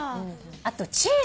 あとチーズ。